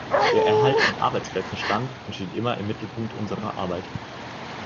Der Erhalt von Arbeitsplätzen stand und steht immer im Mittelpunkt unserer Arbeit.